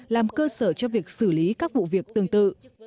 làm cơ sở cho việc xử lý các vụ việc tương tự